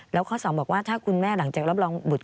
แล้วข้อ๒บอกว่าถ้าคุณแม่หลังจากรับรองบุตร